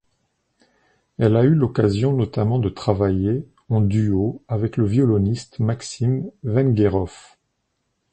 Elle a eu l'occasion notamment de travailler en duo avec le violoniste Maxime Venguerov.